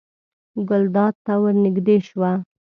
ګلداد ته ور نږدې شوه.